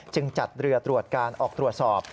จัดเรือตรวจการออกตรวจสอบ